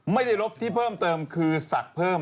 ไม่ได้รบที่เพิ่มเติมคือศักดิ์เพิ่ม